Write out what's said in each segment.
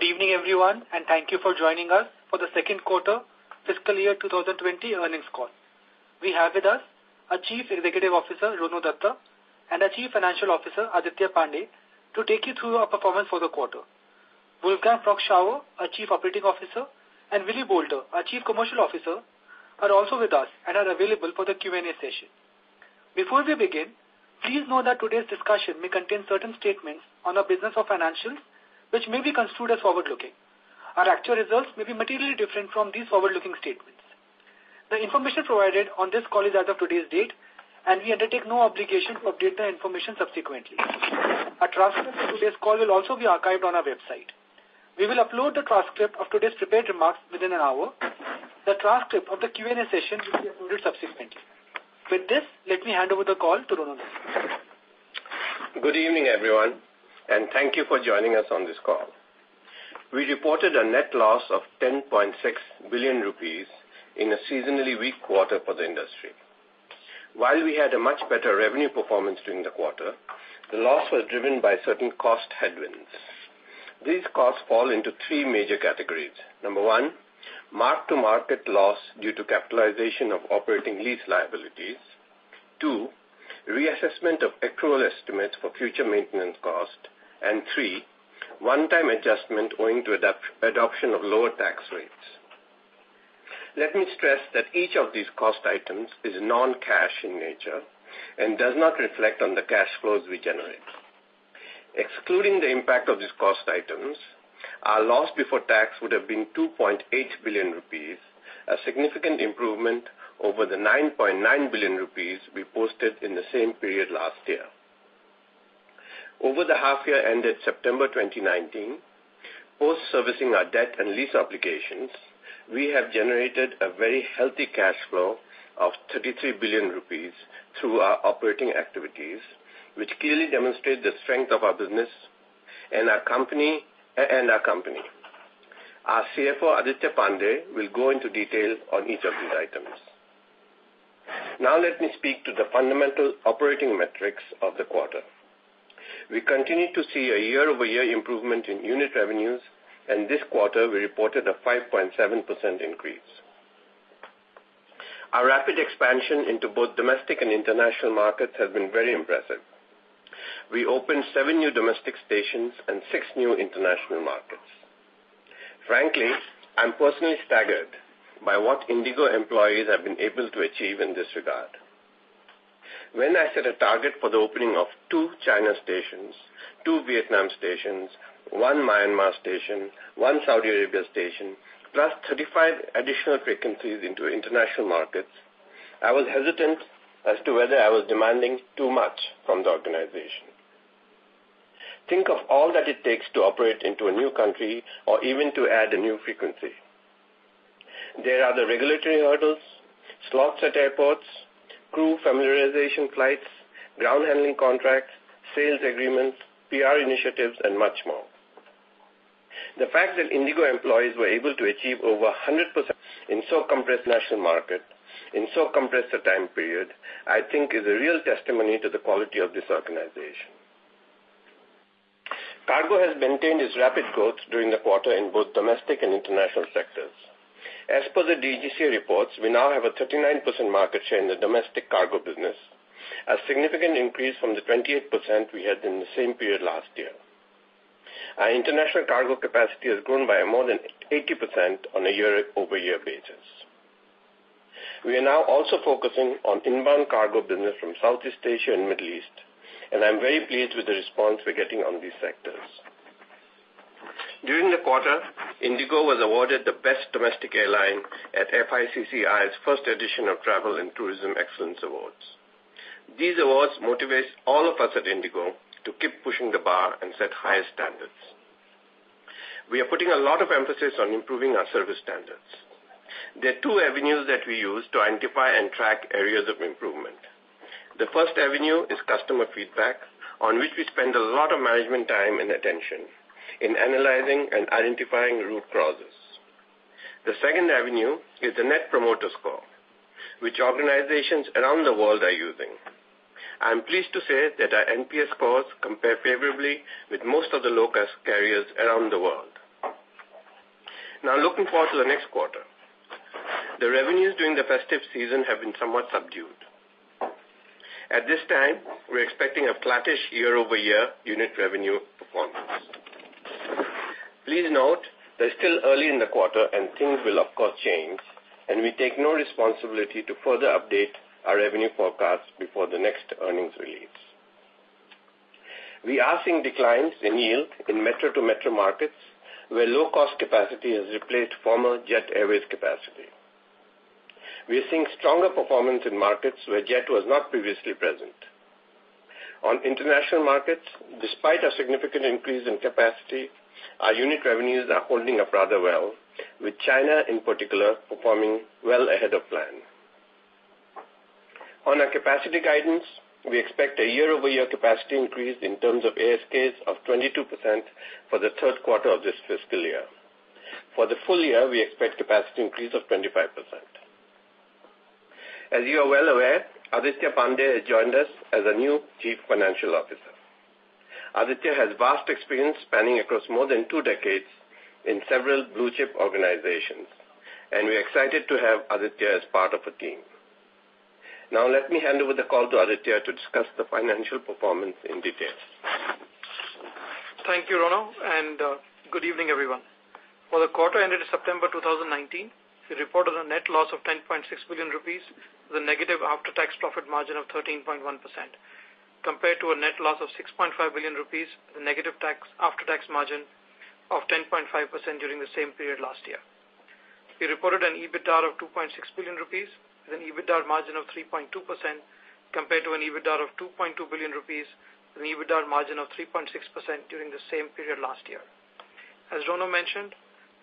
Good evening, everyone, and thank you for joining us for the second quarter fiscal year 2020 earnings call. We have with us our Chief Executive Officer, Rono Dutta, and our Chief Financial Officer, Aditya Pande, to take you through our performance for the quarter. Wolfgang Prock-Schauer, our Chief Operating Officer, and Willy Boulter, our Chief Commercial Officer, are also with us and are available for the Q&A session. Before we begin, please note that today's discussion may contain certain statements on our business or financials which may be construed as forward-looking. Our actual results may be materially different from these forward-looking statements. The information provided on this call is as of today's date, and we undertake no obligation to update the information subsequently. A transcript of today's call will also be archived on our website. We will upload the transcript of today's prepared remarks within an hour. The transcript of the Q&A session will be uploaded subsequently. With this, let me hand over the call to Rono Dutta. Good evening, everyone, and thank you for joining us on this call. We reported a net loss of 10.6 billion rupees in a seasonally weak quarter for the industry. While we had a much better revenue performance during the quarter, the loss was driven by certain cost headwinds. These costs fall into 3 major categories. Number 1, mark-to-market loss due to capitalization of operating lease liabilities. 2, reassessment of accrual estimates for future maintenance cost. 3, one-time adjustment owing to adoption of lower tax rates. Let me stress that each of these cost items is non-cash in nature and does not reflect on the cash flows we generate. Excluding the impact of these cost items, our loss before tax would have been 2.8 billion rupees, a significant improvement over the 9.9 billion rupees we posted in the same period last year. Over the half year ended September 2019, post-servicing our debt and lease obligations, we have generated a very healthy cash flow of 33 billion rupees through our operating activities, which clearly demonstrate the strength of our business and our company. Our CFO Aditya Pande will go into detail on each of these items. Let me speak to the fundamental operating metrics of the quarter. We continue to see a year-over-year improvement in unit revenues, and this quarter, we reported a 5.7% increase. Our rapid expansion into both domestic and international markets has been very impressive. We opened seven new domestic stations and six new international markets. Frankly, I’m personally staggered by what IndiGo employees have been able to achieve in this regard. When I set a target for the opening of two China stations, two Vietnam stations, one Myanmar station, one Saudi Arabia station, plus 35 additional frequencies into international markets, I was hesitant as to whether I was demanding too much from the organization. Think of all that it takes to operate into a new country or even to add a new frequency. There are the regulatory hurdles, slots at airports, crew familiarization flights, ground handling contracts, sales agreements, PR initiatives, and much more. The fact that IndiGo employees were able to achieve over 100% in so compressed national market in so compressed a time period, I think is a real testimony to the quality of this organization. Cargo has maintained its rapid growth during the quarter in both domestic and international sectors. As per the DGCA reports, we now have a 39% market share in the domestic cargo business, a significant increase from the 28% we had in the same period last year. Our international cargo capacity has grown by more than 80% on a year-over-year basis. We are now also focusing on inbound cargo business from Southeast Asia and Middle East, and I'm very pleased with the response we're getting on these sectors. During the quarter, IndiGo was awarded the best domestic airline at FICCI's first edition of Travel and Tourism Excellence Awards. These awards motivate all of us at IndiGo to keep pushing the bar and set higher standards. We are putting a lot of emphasis on improving our service standards. There are two avenues that we use to identify and track areas of improvement. The first avenue is customer feedback, on which we spend a lot of management time and attention in analyzing and identifying root causes. The second avenue is the Net Promoter Score, which organizations around the world are using. I'm pleased to say that our NPS scores compare favorably with most of the low-cost carriers around the world. Looking forward to the next quarter. The revenues during the festive season have been somewhat subdued. At this time, we're expecting a flattish year-over-year unit revenue performance. Please note that it's still early in the quarter and things will, of course, change, and we take no responsibility to further update our revenue forecast before the next earnings release. We are seeing declines in yield in metro-to-metro markets, where low-cost capacity has replaced former Jet Airways capacity. We are seeing stronger performance in markets where Jet was not previously present. On international markets, despite a significant increase in capacity, our unit revenues are holding up rather well, with China in particular performing well ahead of plan. On our capacity guidance, we expect a year-over-year capacity increase in terms of ASKs of 22% for the third quarter of this fiscal year. For the full year, we expect capacity increase of 25%. As you are well aware, Aditya Pande has joined us as a new Chief Financial Officer. Aditya has vast experience spanning across more than two decades in several blue-chip organizations, and we're excited to have Aditya as part of our team. Now let me hand over the call to Aditya to discuss the financial performance in details. Thank you, Rono, good evening, everyone. For the quarter ended September 2019, we reported a net loss of 10.6 billion rupees with a negative after-tax profit margin of 13.1%, compared to a net loss of 6.5 billion rupees with a negative after-tax margin of 10.5% during the same period last year. We reported an EBITDA of 2.6 billion rupees with an EBITDA margin of 3.2%, compared to an EBITDA of 2.2 billion rupees with an EBITDA margin of 3.6% during the same period last year. As Rono mentioned,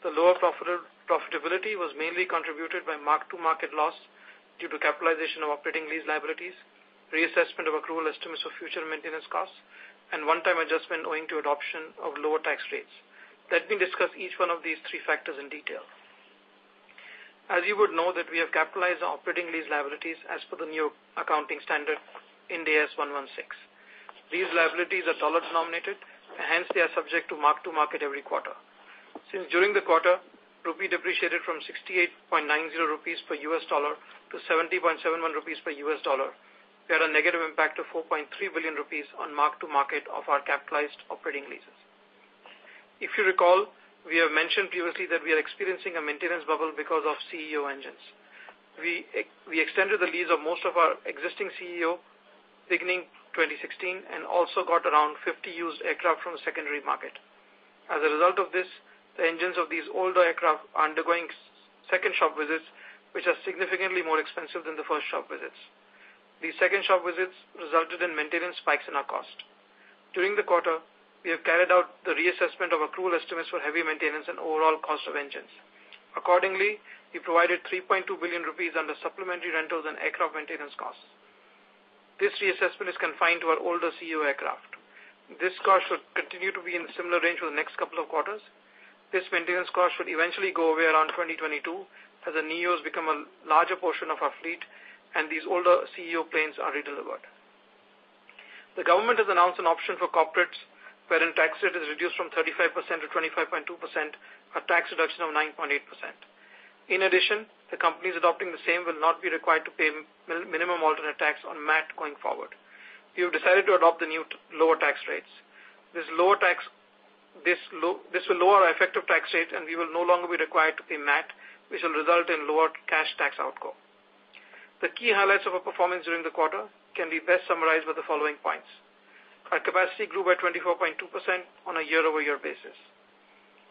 the lower profitability was mainly contributed by mark-to-market loss due to capitalization of operating lease liabilities, reassessment of accrual estimates of future maintenance costs, and one-time adjustment owing to adoption of lower tax rates. Let me discuss each one of these three factors in detail. You would know that we have capitalized our operating lease liabilities as per the new accounting standard, Ind AS 116. These liabilities are dollar-denominated, and hence they are subject to mark-to-market every quarter. Since during the quarter, INR depreciated from 68.90 rupees per U.S. dollar to 70.71 rupees per U.S. dollar, there are negative impact of 4.3 billion rupees on mark-to-market of our capitalized operating leases. If you recall, we have mentioned previously that we are experiencing a maintenance bubble because of ceo engines. We extended the lease of most of our existing ceo beginning 2016 and also got around 50 used aircraft from the secondary market. A result of this, the engines of these older aircraft are undergoing second shop visits, which are significantly more expensive than the first shop visits. These second shop visits resulted in maintenance spikes in our cost. During the quarter, we have carried out the reassessment of accrual estimates for heavy maintenance and overall cost of engines. Accordingly, we provided 3.2 billion rupees under supplementary rentals and aircraft maintenance costs. This reassessment is confined to our older ceo aircraft. This cost should continue to be in similar range for the next couple of quarters. This maintenance cost should eventually go away around 2022 as the neos become a larger portion of our fleet and these older ceo planes are redelivered. The government has announced an option for corporates wherein tax rate is reduced from 35% to 25.2%, a tax reduction of 9.8%. In addition, the companies adopting the same will not be required to pay minimum alternate tax on MAT going forward. We have decided to adopt the new lower tax rates. This will lower our effective tax rate, and we will no longer be required to pay MAT, which will result in lower cash tax outcome. The key highlights of our performance during the quarter can be best summarized by the following points. Our capacity grew by 24.2% on a year-over-year basis.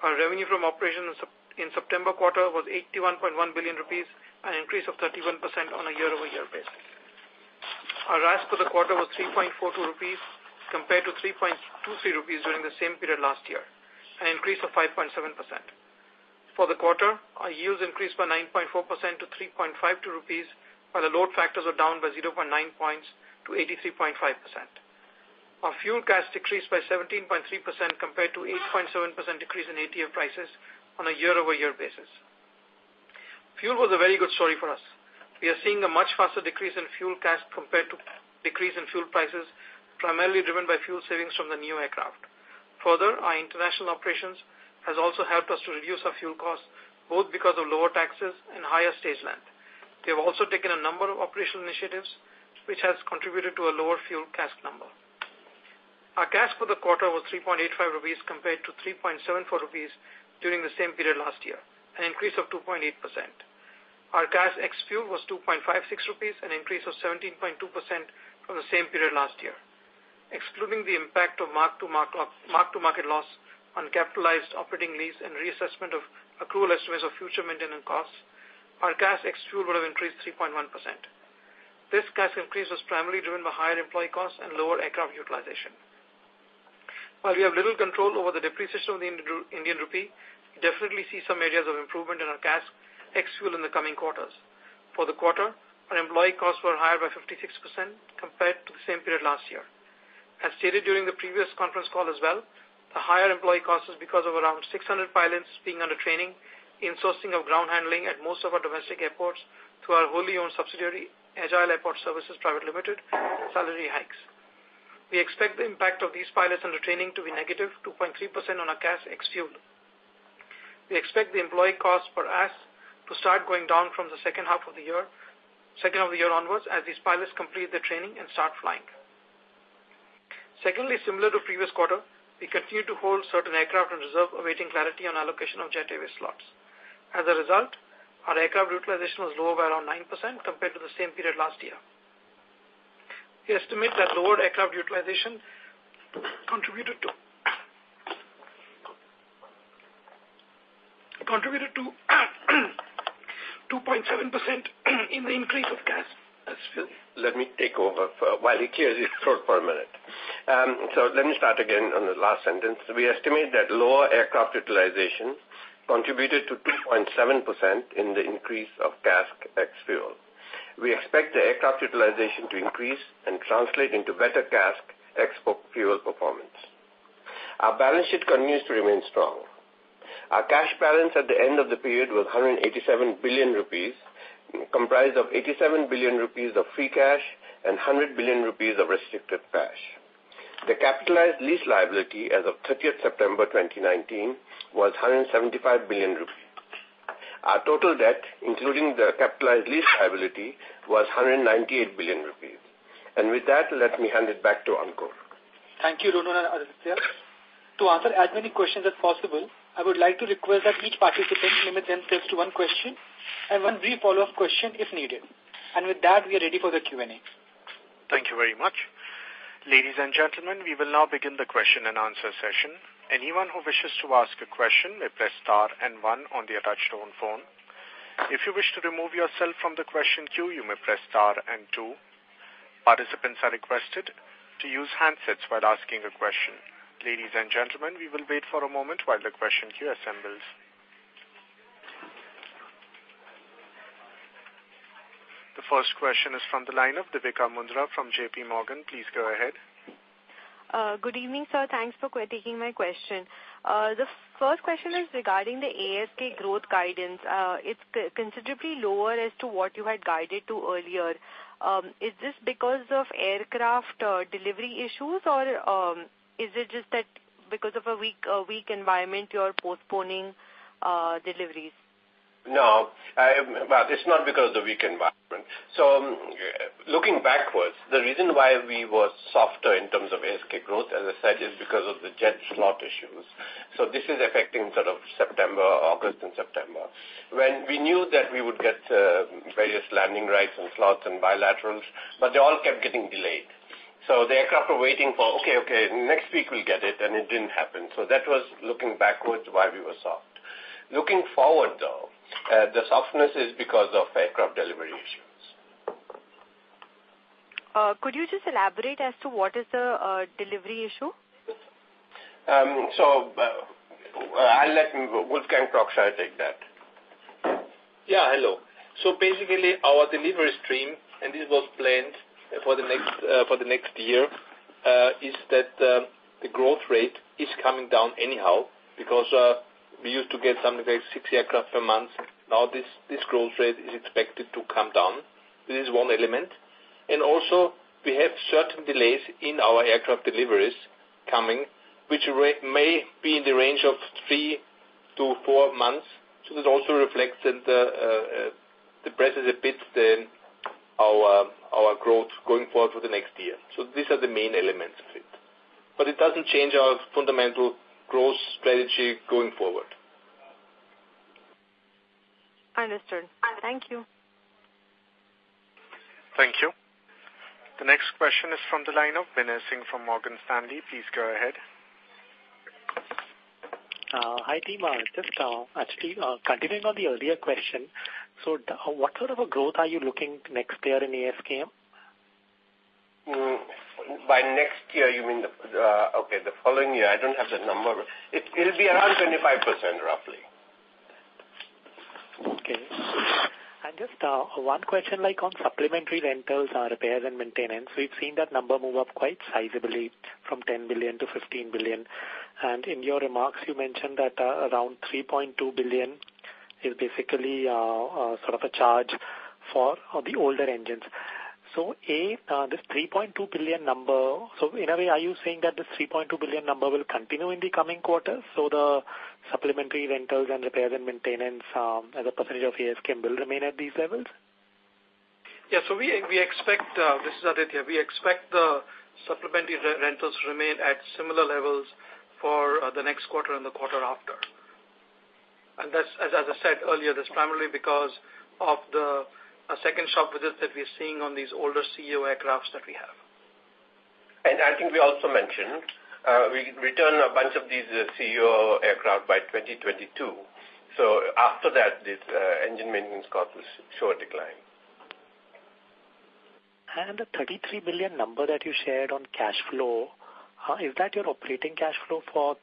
Our revenue from operations in September quarter was 81.1 billion rupees, an increase of 31% on a year-over-year basis. Our RASK for the quarter was 3.42 rupees compared to 3.23 rupees during the same period last year, an increase of 5.7%. For the quarter, our yields increased by 9.4% to 3.52 rupees, while the load factors are down by 0.9 points to 83.5%. Our fuel CASK decreased by 17.3% compared to 8.7% decrease in ATF prices on a year-over-year basis. Fuel was a very good story for us. We are seeing a much faster decrease in fuel CASK compared to decrease in fuel prices, primarily driven by fuel savings from the new aircraft. Our international operations has also helped us to reduce our fuel cost, both because of lower taxes and higher stage length. We have also taken a number of operational initiatives, which has contributed to a lower fuel CASK number. Our CASK for the quarter was 3.85 rupees compared to 3.74 rupees during the same period last year, an increase of 2.8%. Our CASK ex-fuel was 2.56 rupees, an increase of 17.2% from the same period last year. Excluding the impact of mark-to-market loss on capitalized operating lease and reassessment of accrual estimates of future maintenance costs, our CASK ex-fuel would have increased 3.1%. This CASK increase was primarily driven by higher employee costs and lower aircraft utilization. While we have little control over the depreciation of the Indian rupee, we definitely see some areas of improvement in our CASK ex-fuel in the coming quarters. For the quarter, our employee costs were higher by 56% compared to the same period last year. As stated during the previous conference call as well, the higher employee cost is because of around 600 pilots being under training in sourcing of ground handling at most of our domestic airports through our wholly owned subsidiary, Agile Airport Services Private Limited, salary hikes. We expect the impact of these pilots under training to be negative 2.3% on our CASK ex-fuel. We expect the employee cost for us to start going down from the second half of the year onwards as these pilots complete their training and start flying. Similar to previous quarter, we continue to hold certain aircraft on reserve awaiting clarity on allocation of Jet Airways slots. As a result, our aircraft utilization was lower by around 9% compared to the same period last year. We estimate that lower aircraft utilization contributed to 2.7% in the increase of CASK. Let me take over for while he clears his throat for a minute. Let me start again on the last sentence. We estimate that lower aircraft utilization contributed to 2.7% in the increase of CASK ex-fuel. We expect the aircraft utilization to increase and translate into better CASK ex-fuel performance. Our balance sheet continues to remain strong. Our cash balance at the end of the period was 187 billion rupees, comprised of 87 billion rupees of free cash and 100 billion rupees of restricted cash. The capitalized lease liability as of 30th September 2019 was 175 billion rupees. Our total debt, including the capitalized lease liability, was 198 billion rupees. With that, let me hand it back to Ankur. Thank you, Rono and Aditya. To answer as many questions as possible, I would like to request that each participant limit themselves to one question and one brief follow-up question if needed. With that, we are ready for the Q&A. Thank you very much. Ladies and gentlemen, we will now begin the question and answer session. Anyone who wishes to ask a question may press star and one on the attached phone. If you wish to remove yourself from the question queue, you may press star and two. Participants are requested to use handsets while asking a question. Ladies and gentlemen, we will wait for a moment while the question queue assembles. The first question is from the line of Deepika Mundra from JPMorgan. Please go ahead. Good evening, sir. Thanks for taking my question. The first question is regarding the ASK growth guidance. It is considerably lower as to what you had guided to earlier. Is this because of aircraft delivery issues, or is it just that because of a weak environment, you are postponing deliveries? No, it's not because of the weak environment. Looking backwards, the reason why we were softer in terms of ASK growth, as I said, is because of the Jet slot issues. This is affecting September, August and September. We knew that we would get various landing rights and slots and bilaterals, but they all kept getting delayed. The aircraft were waiting for, "Okay, next week we'll get it," and it didn't happen. That was looking backwards why we were soft. Looking forward, though, the softness is because of aircraft delivery issues. Could you just elaborate as to what is the delivery issue? I'll let Wolfgang talk. Shall I take that? Yeah, hello. Basically, our delivery stream, and this was planned for the next year, is that the growth rate is coming down anyhow because we used to get something like six aircraft a month. Now this growth rate is expected to come down. This is one element. Also we have certain delays in our aircraft deliveries coming, which may be in the range of three to four months. That also reflects and depresses a bit our growth going forward for the next year. These are the main elements of it doesn't change our fundamental growth strategy going forward. Understood. Thank you. Thank you. The next question is from the line of Vinesh Singh from Morgan Stanley. Please go ahead. Hi, team. Actually, continuing on the earlier question, what sort of a growth are you looking next year in ASKM? By next year you mean the following year. I don't have that number. It'll be around 25%, roughly. Okay. Just one question on supplementary rentals, repairs, and maintenance. We've seen that number move up quite sizably from 10 billion to 15 billion. In your remarks, you mentioned that around 3.2 billion is basically sort of a charge for the older engines. A, this 3.2 billion number. In a way, are you saying that this 3.2 billion number will continue in the coming quarters, so the supplementary rentals and repairs and maintenance as a percentage of ASK will remain at these levels? Yeah. We expect, this is Aditya. We expect the supplementary rentals remain at similar levels for the next quarter and the quarter after. As I said earlier, that's primarily because of the second shop visit that we're seeing on these older ceo aircraft that we have. I think we also mentioned we return a bunch of these ceo aircraft by 2022. After that, this engine maintenance cost will show a decline. The 33 billion number that you shared on cash flow, is that your operating cash flow for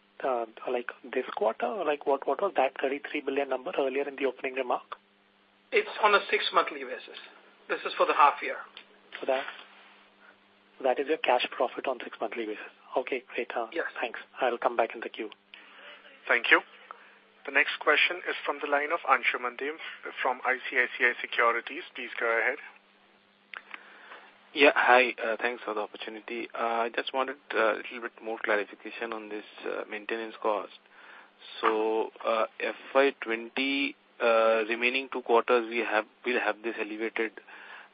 this quarter? What was that 33 billion number earlier in the opening remark? It's on a six-monthly basis. This is for the half year. For that. That is your cash profit on six-monthly basis. Okay, great. Yes. Thanks. I'll come back in the queue. Thank you. The next question is from the line of Anshuman Singh from ICICI Securities. Please go ahead. Yeah, hi. Thanks for the opportunity. I just wanted a little bit more clarification on this maintenance cost. FY 2020, remaining two quarters, we'll have this elevated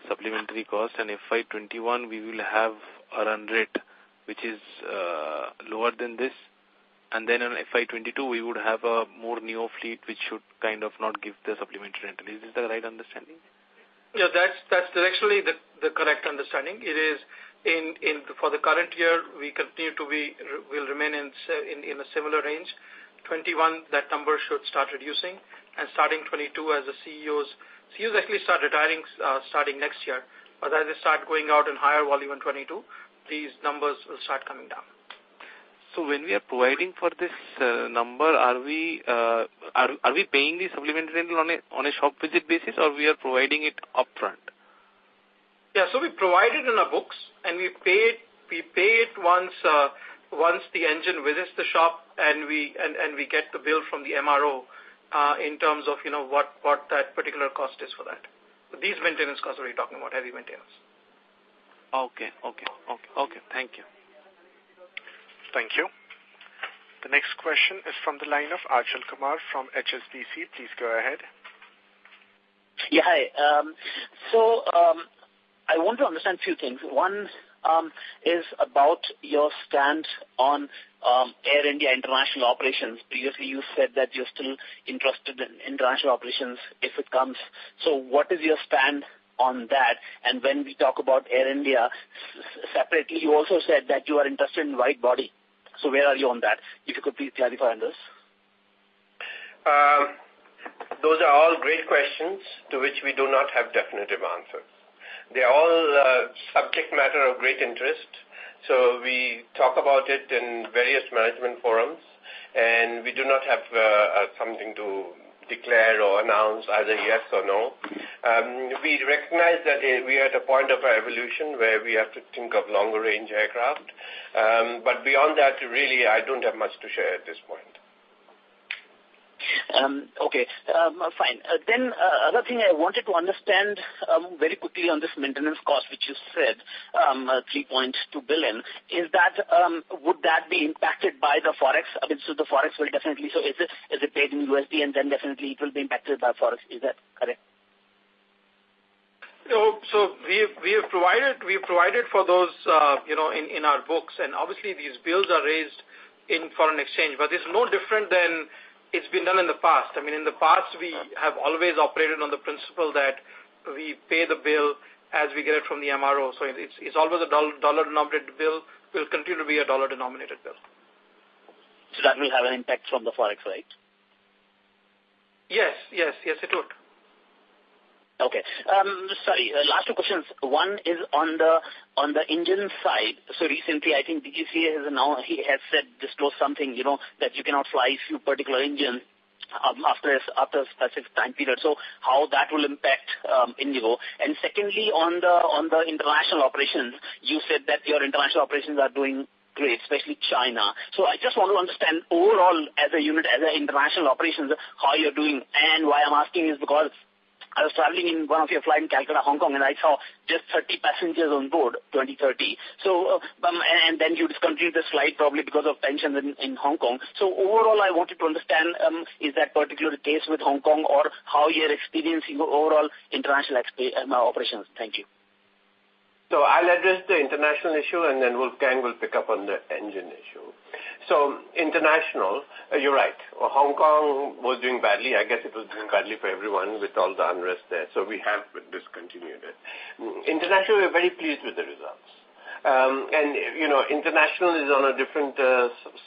supplementary cost, FY 2021 we will have a run rate which is lower than this. In FY 2022, we would have a more new fleet, which should kind of not give the supplementary rental. Is this the right understanding? Yeah, that's actually the correct understanding. For the current year, we will remain in a similar range. 2021, that number should start reducing, and starting 2022 as the ceos actually start retiring starting next year. As they start going out in higher volume in 2022, these numbers will start coming down. When we are providing for this number, are we paying the supplementary rental on a shop visit basis, or we are providing it upfront? Yeah. We provide it in our books, and we pay it once the engine visits the shop and we get the bill from the MRO in terms of what that particular cost is for that. These maintenance costs are what you're talking about, heavy maintenance. Okay. Thank you. Thank you. The next question is from the line of Achal Kumar from HSBC. Please go ahead. Yeah. Hi. I want to understand a few things. One is about your stance on Air India international operations. Previously, you said that you're still interested in international operations if it comes. What is your stand on that? When we talk about Air India separately, you also said that you are interested in wide-body. Where are you on that? If you could please clarify on this. Those are all great questions to which we do not have definitive answers. They are all subject matter of great interest. We talk about it in various management forums, and we do not have something to declare or announce either yes or no. We recognize that we are at a point of our evolution where we have to think of longer range aircraft. Beyond that, really, I don't have much to share at this point. Okay, fine. Another thing I wanted to understand very quickly on this maintenance cost, which you said, $3.2 billion. Would that be impacted by the Forex? I mean, is it paid in USD and then definitely it will be impacted by Forex? Is that correct? We have provided for those in our books, and obviously these bills are raised in foreign exchange. It's no different than it's been done in the past. I mean, in the past, we have always operated on the principle that we pay the bill as we get it from the MRO. It's always a dollar-denominated bill, will continue to be a dollar-denominated bill. That will have an impact from the Forex, right? Yes, it would. Okay. Sorry, last two questions. One is on the engine side. Recently, I think DGCA has said this does something, that you cannot fly few particular engines after a specific time period. How that will impact IndiGo? Secondly, on the international operations, you said that your international operations are doing great, especially China. I just want to understand overall as a unit, as an international operation, how you're doing. Why I'm asking is because I was traveling in one of your flights in Calcutta, Hong Kong, and I saw just 30 passengers on board, 20, 30. Then you discontinued the flight probably because of tensions in Hong Kong. Overall, I wanted to understand is that particular case with Hong Kong or how you're experiencing overall international operations. Thank you. I'll address the international issue, and then Wolfgang will pick up on the engine issue. International, you're right. Hong Kong was doing badly. I guess it was doing badly for everyone with all the unrest there. We have discontinued it. Internationally, we're very pleased with the results. International is on a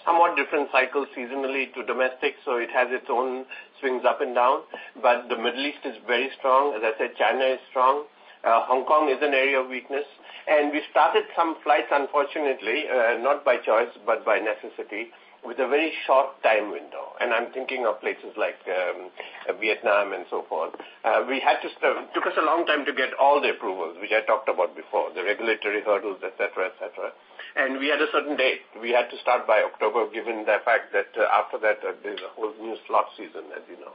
somewhat different cycle seasonally to domestic, so it has its own swings up and down. The Middle East is very strong. As I said, China is strong. Hong Kong is an area of weakness. We started some flights, unfortunately, not by choice, but by necessity, with a very short time window. I'm thinking of places like Vietnam and so forth. It took us a long time to get all the approvals, which I talked about before, the regulatory hurdles, et cetera. We had a certain date we had to start by October, given the fact that after that, there's a whole new slot season, as you know.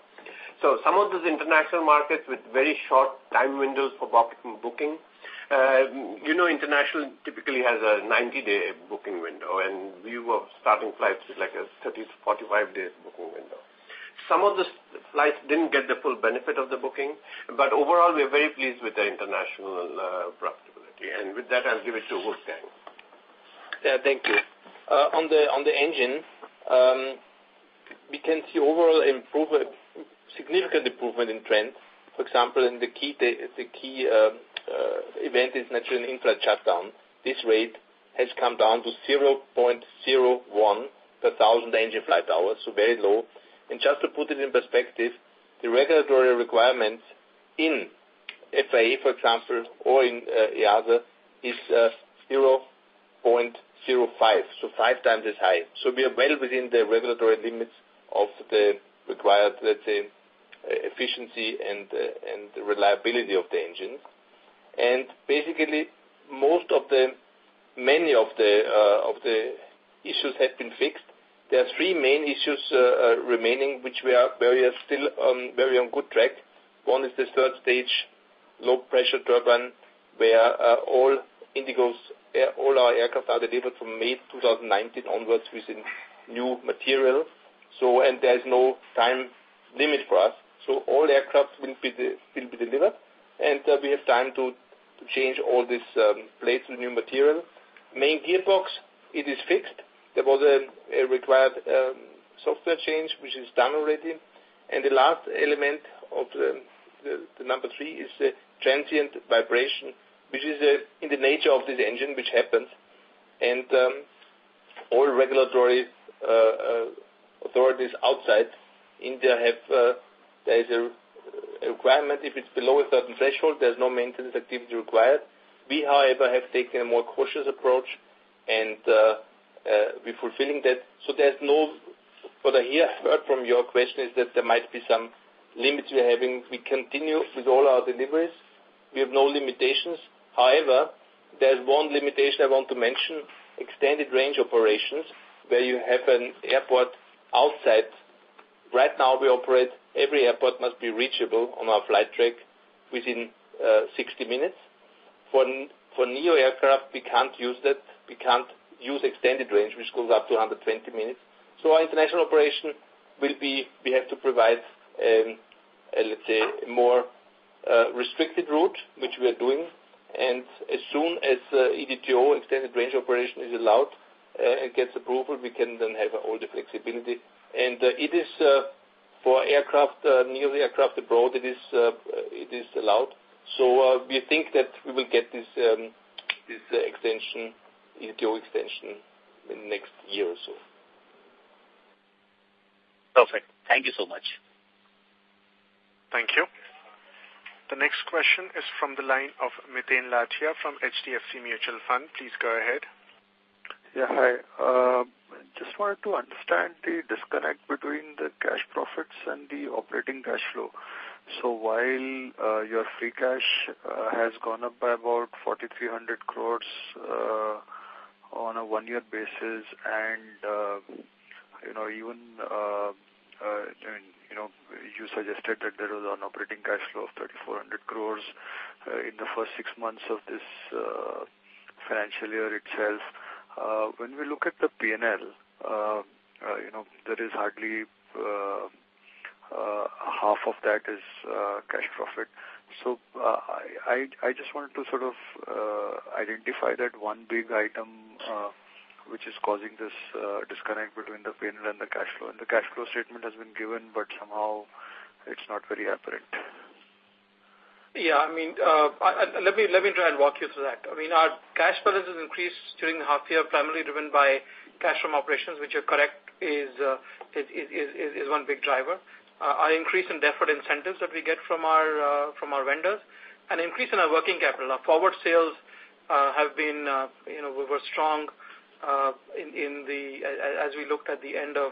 Some of these international markets with very short time windows for booking. International typically has a 90-day booking window, and we were starting flights with like a 30-45 days booking window. Some of the flights didn't get the full benefit of the booking, but overall, we are very pleased with the international profitability. With that, I'll give it to Wolfgang. Yeah, thank you. On the engine, we can see overall significant improvement in trends. For example, the key event is naturally an in-flight shutdown. This rate has come down to 0.01 per 1,000 engine flight hours, so very low. Just to put it in perspective, the regulatory requirements in FAA, for example, or in IATA is 0.05, so five times as high. We are well within the regulatory limits of the required, let's say, efficiency and reliability of the engine. Basically many of the issues have been fixed. There are three main issues remaining, which we are still very on good track. One is the 3rd stage low pressure turbine, where all our aircraft are delivered from May 2019 onwards with new material. There is no time limit for us. All aircraft will be delivered, and we have time to change all these plates with new material. Main gearbox, it is fixed. There was a required software change, which is done already. The last element of the number three is the transient vibration, which is in the nature of this engine, which happens. All regulatory authorities outside India have a requirement if it's below a certain threshold, there's no maintenance activity required. We, however, have taken a more cautious approach, and we're fulfilling that. What I hear from your question is that there might be some limits we're having. We continue with all our deliveries. We have no limitations. However, there's one limitation I want to mention, extended range operations, where you have an airport outside. Right now, we operate, every airport must be reachable on our flight track within 60 minutes. For neo aircraft, we can't use that. We can't use extended range, which goes up to 120 minutes. Our international operation, we have to provide, let's say, a more restricted route, which we are doing. As soon as EDTO, extended range operation, is allowed and gets approval, we can then have all the flexibility. For neo aircraft abroad, it is allowed. We think that we will get this EDTO extension in the next year or so. Perfect. Thank you so much. Thank you. The next question is from the line of Miten Lathia from HDFC Mutual Fund. Please go ahead. Yeah, hi. Just wanted to understand the disconnect between the cash profits and the operating cash flow. While your free cash has gone up by about 4,300 crore on a one-year basis, and you suggested that there was an operating cash flow of 3,400 crore in the first six months of this financial year itself. When we look at the P&L, there is hardly half of that is cash profit. I just wanted to sort of identify that one big item which is causing this disconnect between the P&L and the cash flow. The cash flow statement has been given, but somehow it's not very apparent. Yeah. Let me try and walk you through that. Our cash balance has increased during the half year, primarily driven by cash from operations, which you're correct, is one big driver. Our increase in deferred incentives that we get from our vendors, an increase in our working capital. Our forward sales were strong as we looked at the end of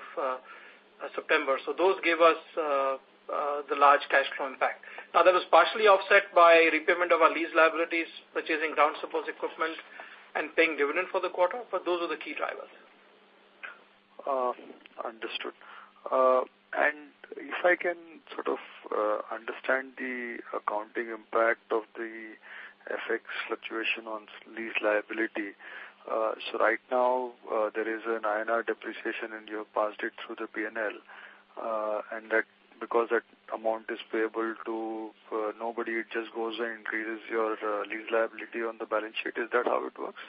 September. Those give us the large cash flow impact. That was partially offset by repayment of our lease liabilities, purchasing ground support equipment and paying dividend for the quarter. Those are the key drivers. Understood. If I can sort of understand the accounting impact of the FX fluctuation on lease liability. Right now, there is an INR depreciation, and you have passed it through the P&L. Because that amount is payable to nobody, it just goes and increases your lease liability on the balance sheet. Is that how it works?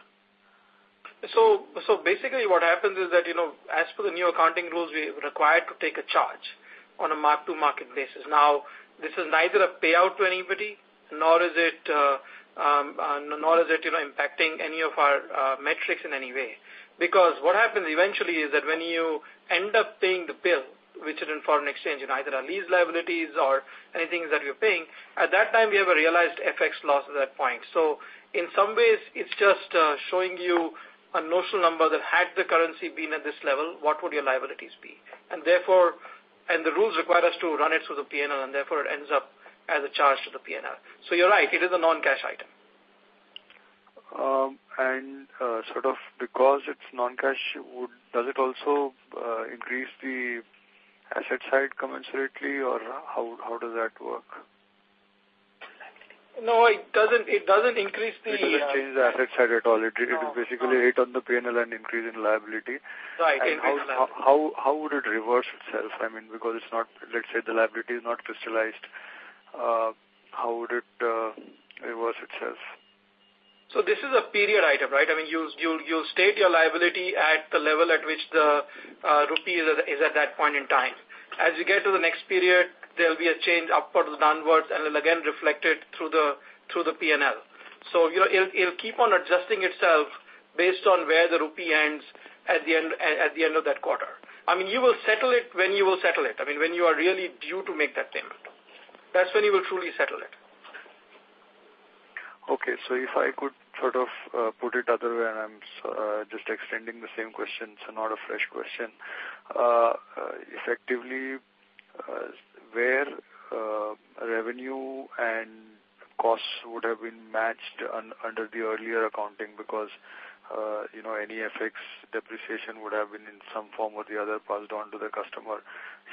Basically, what happens is that, as per the new accounting rules, we are required to take a charge on a mark-to-market basis. Now, this is neither a payout to anybody, nor is it impacting any of our metrics in any way. Because what happens eventually is that when you end up paying the bill, which is in foreign exchange, in either our lease liabilities or anything that we're paying, at that time, we have a realized FX loss at that point. In some ways, it's just showing you a notional number that had the currency been at this level, what would your liabilities be? The rules require us to run it through the P&L, and therefore it ends up as a charge to the P&L. You're right, it is a non-cash item. Sort of because it's non-cash, does it also increase the asset side commensurately, or how does that work? No, it doesn't increase. It doesn't change the asset side at all. It basically hit on the P&L and increase in liability. Right. Increase in liability. How would it reverse itself? Because let's say the liability is not crystallized, how would it reverse itself? This is a period item, right? You'll state your liability at the level at which the rupee is at that point in time. As you get to the next period, there'll be a change upwards or downwards, and it'll again reflect it through the P&L. It'll keep on adjusting itself based on where the rupee ends at the end of that quarter. You will settle it when you are really due to make that payment. That's when you will truly settle it. Okay. If I could sort of put it other way, I'm just extending the same question, it's not a fresh question. Effectively, where revenue and costs would have been matched under the earlier accounting because any FX depreciation would have been in some form or the other passed on to the customer.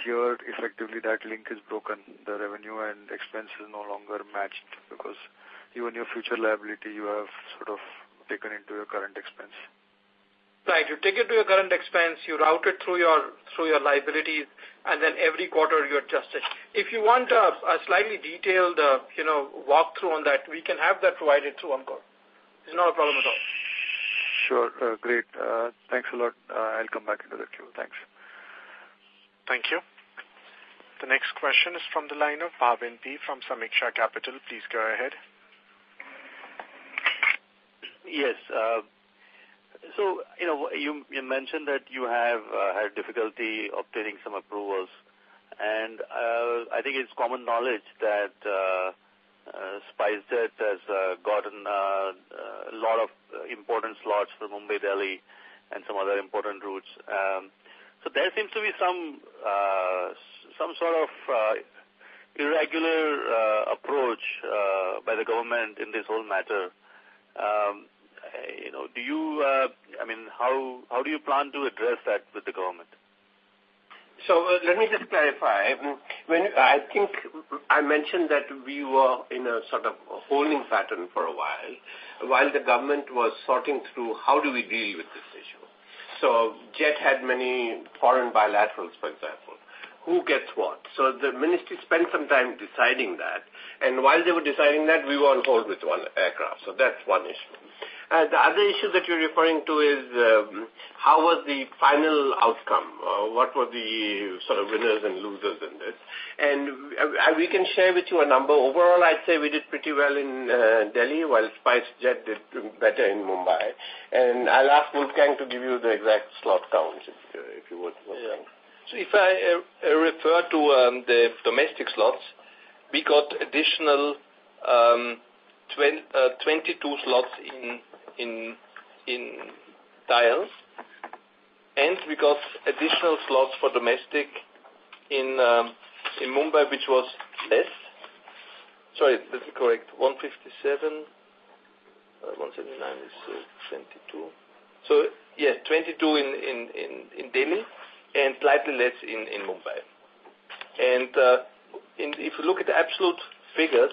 Here, effectively, that link is broken. The revenue and expense is no longer matched because you and your future liability, you have sort of taken into your current expense. Right. You take it to your current expense, you route it through your liabilities, and then every quarter you adjust it. If you want a slightly detailed walkthrough on that, we can have that provided through Ankur. It's not a problem at all. Sure. Great. Thanks a lot. I'll come back into the queue. Thanks. Thank you. The next question is from the line of Bhavin Shah from Sameeksha Capital. Please go ahead. Yes. You mentioned that you have had difficulty obtaining some approvals. I think it's common knowledge that SpiceJet has gotten a lot of important slots for Mumbai-Delhi and some other important routes. There seems to be some sort of irregular approach by the government in this whole matter. How do you plan to address that with the government? Let me just clarify. I think I mentioned that we were in a sort of holding pattern for a while the government was sorting through how do we deal with this issue. Jet had many foreign bilaterals, for example. Who gets what? The ministry spent some time deciding that, and while they were deciding that we were on hold with one aircraft. That's one issue. The other issue that you're referring to is how was the final outcome? What were the sort of winners and losers in this? And we can share with you a number. Overall, I'd say we did pretty well in Delhi while SpiceJet did better in Mumbai. And I'll ask Wolfgang to give you the exact slot counts, if you would, Wolfgang. If I refer to the domestic slots, we got additional 22 slots in DIAL, and we got additional slots for domestic in Mumbai, which was less. Sorry, let me correct. 157. 179 is 22. Yes, 22 in Delhi and slightly less in Mumbai. If you look at the absolute figures,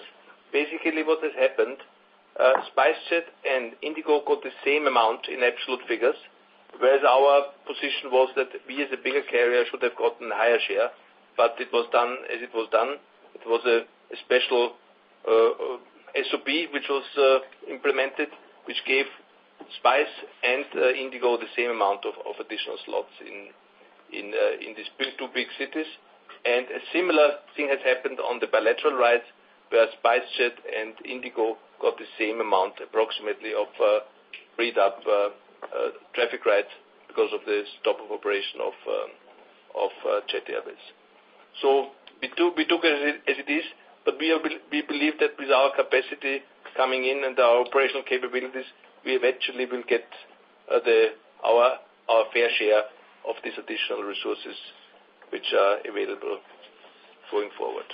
basically what has happened, SpiceJet and IndiGo got the same amount in absolute figures, whereas our position was that we as a bigger carrier should have gotten a higher share, but it was done as it was done. It was a special SOP which was implemented, which gave Spice and IndiGo the same amount of additional slots in these two big cities. A similar thing has happened on the bilateral rights, where SpiceJet and IndiGo got the same amount approximately of freed up traffic rights because of the stop of operation of Jet Airways. We took it as it is, but we believe that with our capacity coming in and our operational capabilities, we eventually will get our fair share of these additional resources which are available going forward.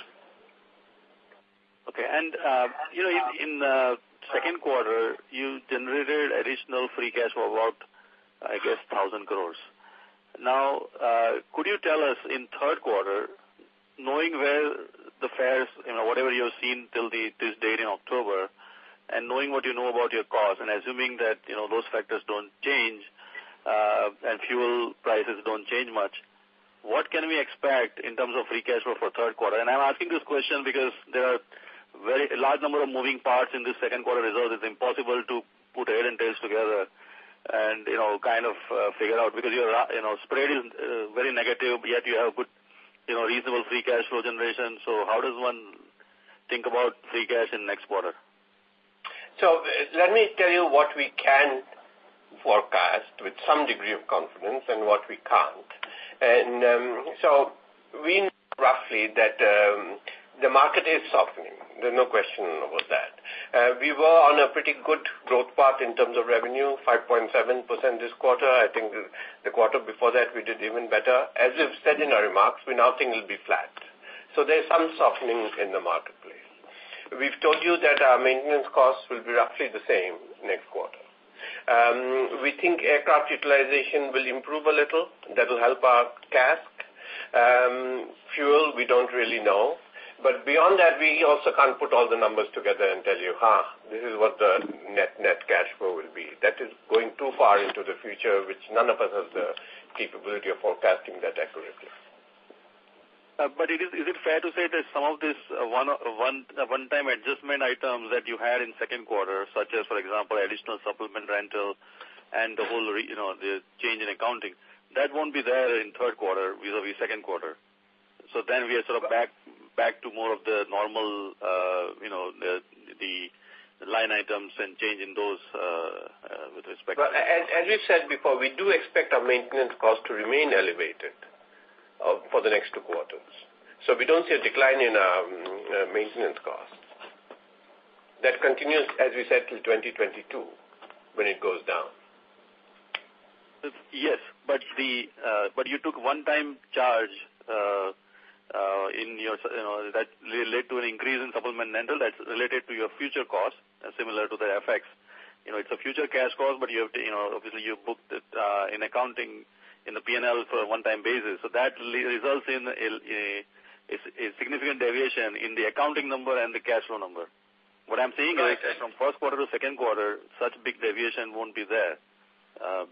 Okay. In the second quarter, you generated additional free cash flow of about, I guess, 1,000 crores. Could you tell us in third quarter, knowing where the fares, whatever you have seen till this date in October, and knowing what you know about your costs, and assuming that those factors don't change, and fuel prices don't change much, what can we expect in terms of free cash flow for third quarter? I'm asking this question because there are very large number of moving parts in the second quarter results. It's impossible to put head and tails together and kind of figure out because your spread is very negative, yet you have good reasonable free cash flow generation. How does one think about free cash in next quarter? Let me tell you what we can forecast with some degree of confidence and what we can't. We know roughly that the market is softening. There's no question about that. We were on a pretty good growth path in terms of revenue, 5.7% this quarter. I think the quarter before that, we did even better. As we've said in our remarks, we now think it'll be flat. There's some softening in the marketplace. We've told you that our maintenance costs will be roughly the same next quarter. We think aircraft utilization will improve a little. That will help our CASK. Fuel, we don't really know. Beyond that, we also can't put all the numbers together and tell you, ha, this is what the net cash flow will be. That is going too far into the future, which none of us have the capability of forecasting that accurately. Is it fair to say that some of these one-time adjustment items that you had in second quarter, such as, for example, additional supplementary rentals and the whole change in accounting, that won't be there in third quarter vis-a-vis second quarter? We are sort of back to more of the normal line items and change in those with respect to. As we said before, we do expect our maintenance cost to remain elevated for the next two quarters. We don't see a decline in our maintenance costs. That continues, as we said, till 2022, when it goes down. Yes. You took one-time charge that led to an increase in supplement rental that's related to your future costs, similar to the FX. It's a future cash cost, but obviously you booked it in accounting in the P&L for a one-time basis. That results in a significant deviation in the accounting number and the cash flow number. Right from first quarter to second quarter, such big deviation won't be there.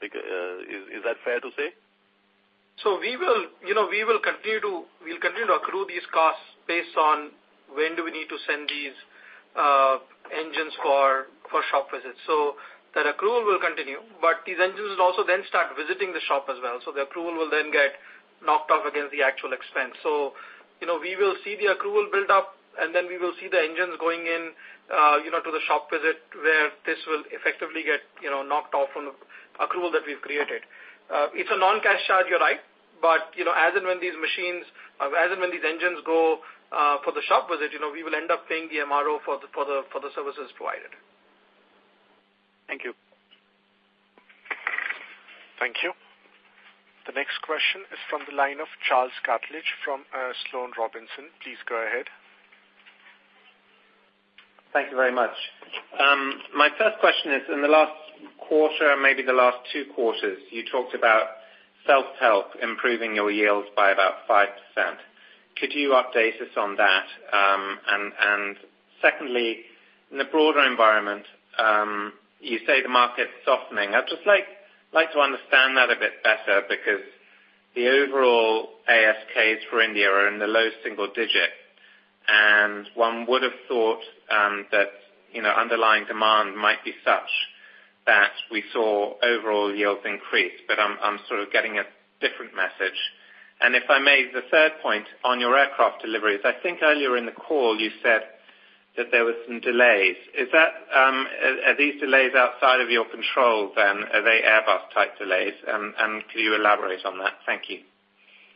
Is that fair to say? We will continue to accrue these costs based on when do we need to send these engines for shop visits. That accrual will continue, but these engines will also then start visiting the shop as well. The accrual will then get knocked off against the actual expense. We will see the accrual build up, and then we will see the engines going in to the shop visit, where this will effectively get knocked off from accrual that we've created. It's a non-cash charge, you're right. As and when these engines go for the shop visit, we will end up paying the MRO for the services provided. Thank you. Thank you. The next question is from the line of Charles Cartledge from Sloane Robinson. Please go ahead. Thank you very much. My first question is, in the last quarter, maybe the last two quarters, you talked about self-help improving your yields by about 5%. Could you update us on that? Secondly, in the broader environment, you say the market's softening. I'd just like to understand that a bit better because the overall ASKs for India are in the low single digit, and one would have thought that underlying demand might be such that we saw overall yields increase. I'm sort of getting a different message. If I may, the third point on your aircraft deliveries, I think earlier in the call you said that there were some delays. Are these delays outside of your control then? Are they Airbus-type delays? Could you elaborate on that? Thank you.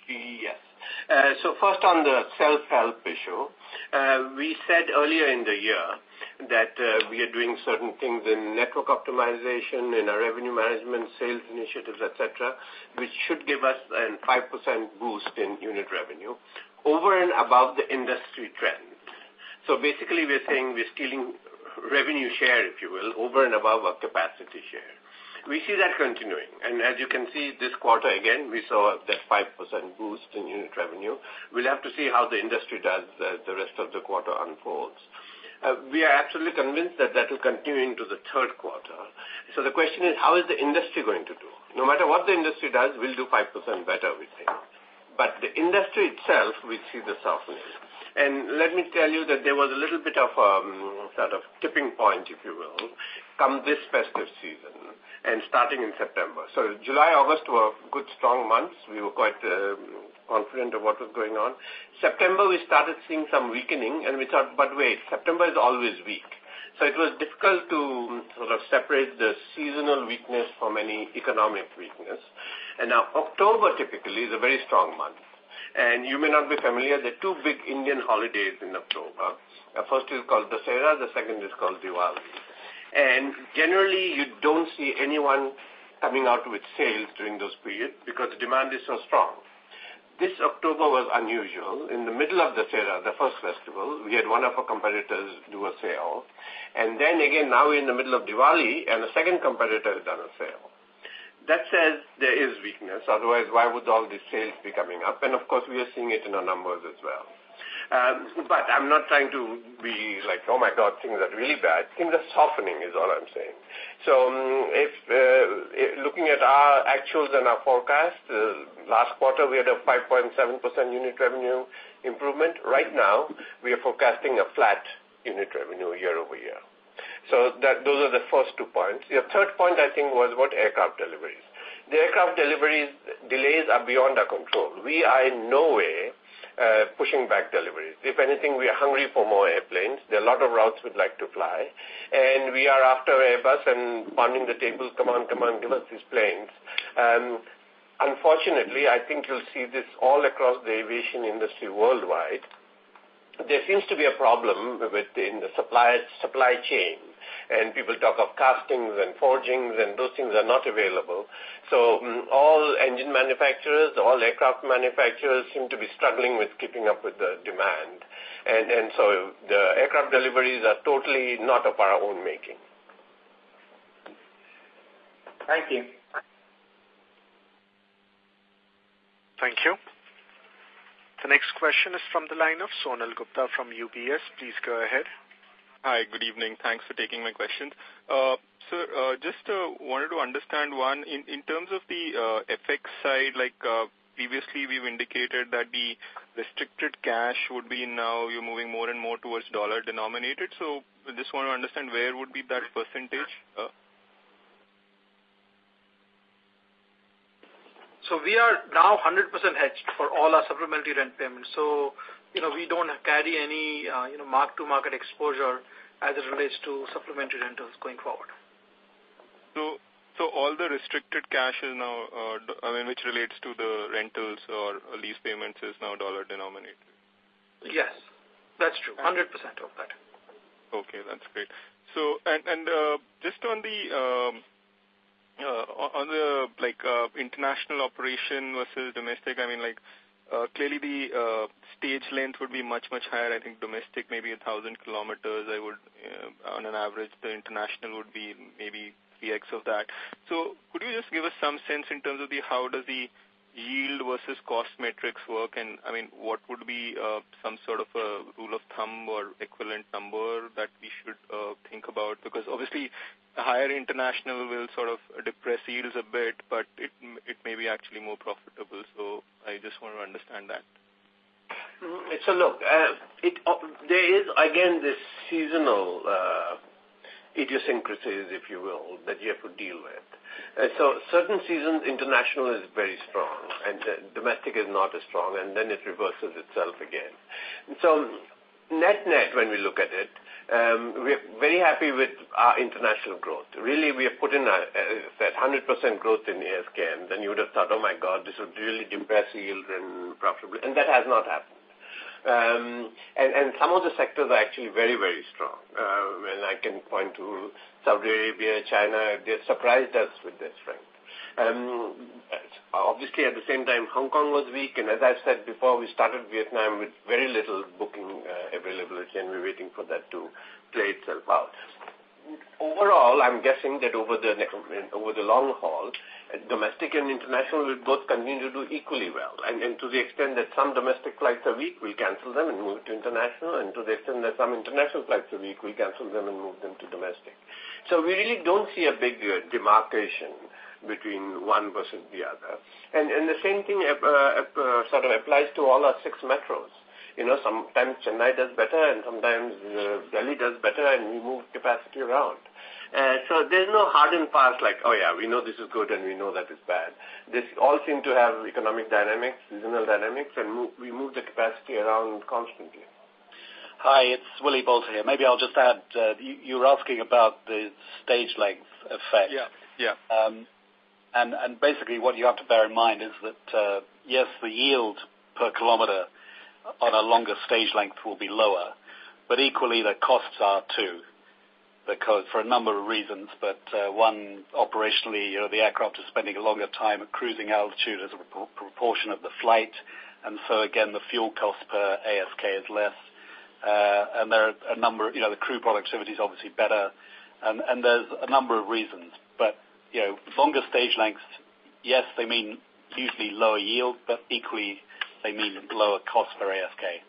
Yes. First on the self-help issue. We said earlier in the year that we are doing certain things in network optimization, in our revenue management, sales initiatives, et cetera, which should give us a 5% boost in unit revenue over and above the industry trend. Basically, we are saying we're stealing revenue share, if you will, over and above our capacity share. We see that continuing, and as you can see this quarter again, we saw that 5% boost in unit revenue. We'll have to see how the industry does as the rest of the quarter unfolds. We are absolutely convinced that that will continue into the third quarter. The question is, how is the industry going to do? No matter what the industry does, we'll do 5% better, we think. The industry itself, we see the softening. Let me tell you that there was a little bit of a sort of tipping point, if you will, come this festive season and starting in September. July, August were good strong months. We were quite confident of what was going on. September, we started seeing some weakening and we thought, "But wait, September is always weak." It was difficult to sort of separate the seasonal weakness from any economic weakness. Now October typically is a very strong month. You may not be familiar, there are two big Indian holidays in October. The first is called Dussehra, the second is called Diwali. Generally, you don't see anyone coming out with sales during those periods because the demand is so strong. This October was unusual. In the middle of Dussehra, the first festival, we had one of our competitors do a sale. Again, now we're in the middle of Diwali and a second competitor has done a sale. That says there is weakness. Otherwise, why would all these sales be coming up? Of course, we are seeing it in our numbers as well. I'm not trying to be like, "Oh, my God, things are really bad." Things are softening is all I'm saying. Looking at our actuals and our forecast, last quarter, we had a 5.7% unit revenue improvement. Right now, we are forecasting a flat unit revenue year-over-year. Those are the first two points. Your third point, I think, was about aircraft deliveries. The aircraft deliveries delays are beyond our control. We are in no way pushing back deliveries. If anything, we are hungry for more airplanes. There are a lot of routes we'd like to fly. We are after Airbus and pounding the table, "Come on, come on, give us these planes." Unfortunately, I think you'll see this all across the aviation industry worldwide. There seems to be a problem within the supply chain, and people talk of castings and forgings, and those things are not available. All engine manufacturers, all aircraft manufacturers seem to be struggling with keeping up with the demand. The aircraft deliveries are totally not of our own making. Thank you. Thank you. The next question is from the line of Sonal Gupta from UBS. Please go ahead. Hi. Good evening. Thanks for taking my question. Sir, just wanted to understand one, in terms of the FX side, previously we've indicated that the restricted cash would be now you're moving more and more towards dollar-denominated. I just want to understand where would be that percentage? We are now 100% hedged for all our supplementary rent payments, so we don't carry any mark-to-market exposure as it relates to supplementary rentals going forward. All the restricted cash now, which relates to the rentals or lease payments, is now dollar denominated? Yes. That's true. 100% of that. Okay, that's great. Just on the international operation versus domestic, clearly the stage length would be much, much higher. I think domestic, maybe 1,000 kilometers on an average. The international would be maybe 3x of that. Could you just give us some sense in terms of how does the yield versus cost metrics work, and what would be some sort of a rule of thumb or equivalent number that we should think about? Because obviously a higher international will sort of depress yields a bit, but it may be actually more profitable. I just want to understand that. Look, there is, again, this seasonal idiosyncrasies, if you will, that you have to deal with. Certain seasons international and domestic is not as strong, and then it reverses itself again. Net-net, when we look at it, we're very happy with our international growth. Really, we have put in that 100% growth in ASK, and then you would've thought, "Oh my God, this would really depress yield and profitability." That has not happened. Some of the sectors are actually very strong. I can point to Saudi Arabia, China. They have surprised us with this trend. Obviously, at the same time, Hong Kong was weak, and as I said before, we started Vietnam with very little booking availability, and we're waiting for that to play itself out. Overall, I'm guessing that over the long haul, domestic and international will both continue to do equally well. To the extent that some domestic flights a week, we cancel them and move to international. To the extent that some international flights a week, we cancel them and move them to domestic. We really don't see a big demarcation between one versus the other. The same thing applies to all our six metros. Sometimes Chennai does better and sometimes Delhi does better and we move capacity around. There's no hard and fast like, "Oh yeah, we know this is good and we know that is bad." This all seem to have economic dynamics, regional dynamics, and we move the capacity around constantly. Hi, it's Willy Boulter here. Maybe I'll just add, you were asking about the stage length effect. Yeah. Basically what you have to bear in mind is that, yes, the yield per kilometer on a longer stage length will be lower. Equally, the costs are too, because for a number of reasons, but one, operationally, the aircraft is spending a longer time at cruising altitude as a proportion of the flight. Again, the fuel cost per ASK is less. The crew productivity is obviously better and there's a number of reasons. Longer stage lengths, yes, they mean usually lower yield, but equally they mean lower cost per ASK.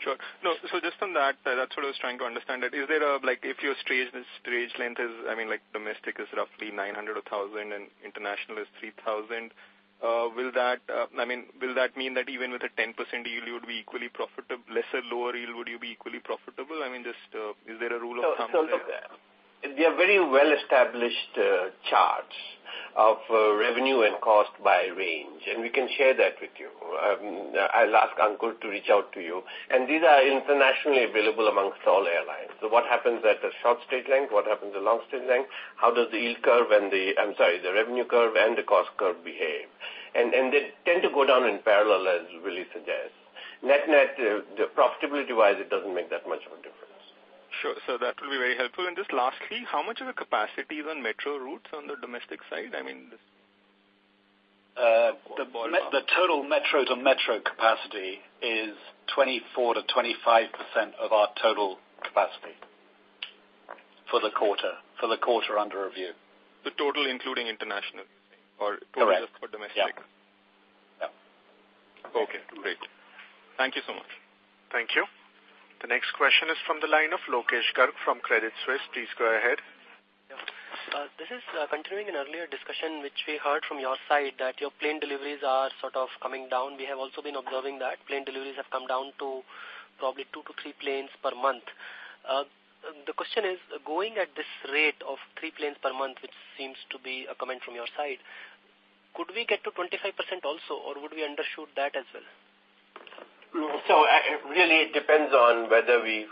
Sure. Just on that's what I was trying to understand that if your stage length is, domestic is roughly 900 or 1,000 and international is 3,000. Will that mean that even with a 10% yield, you would be equally profitable? Lesser, lower yield, would you be equally profitable? Just, is there a rule of thumb there? There are very well-established charts of revenue and cost by range, and we can share that with you. I'll ask Ankur to reach out to you. These are internationally available amongst all airlines. What happens at a short stage length? What happens at long stage length? How does the revenue curve and the cost curve behave? They tend to go down in parallel, as Willy suggests. Net-net, profitability wise, it doesn't make that much of a difference. Sure. That will be very helpful. Just lastly, how much of a capacity is on metro routes on the domestic side? The total metro-to-metro capacity is 24%-25% of our total capacity for the quarter under review. The total including international, you're saying? Correct. Total for domestic? Yeah. Okay, great. Thank you so much. Thank you. The next question is from the line of Lokesh Garg from Credit Suisse. Please go ahead. Yeah. This is continuing an earlier discussion, which we heard from your side that your plane deliveries are sort of coming down. We have also been observing that plane deliveries have come down to probably two to three planes per month. The question is, going at this rate of three planes per month, which seems to be a comment from your side, could we get to 25% also, or would we undershoot that as well? Really it depends on whether we